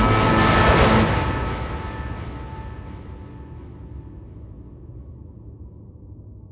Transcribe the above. โปรดติดตามตอนต่อไป